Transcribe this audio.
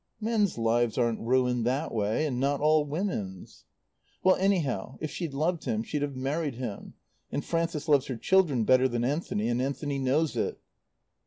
"Men's lives aren't ruined that way. And not all women's." "Well, anyhow, if she'd loved him she'd have married him. And Frances loves her children better than Anthony, and Anthony knows it."